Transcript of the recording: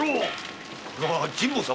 これは神保様。